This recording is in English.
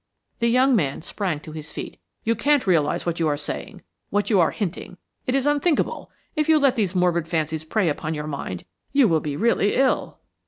The young man sprang to his feet. "You can't realize what you are saying; what you are hinting! It is unthinkable! If you let these morbid fancies prey upon your mind, you will be really ill."